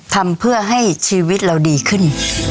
ทำเพื่อให้ชีวิตเราดีขึ้น